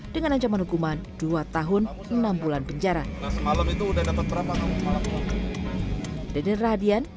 dengan ancaman hukuman dua tahun enam bulan penjara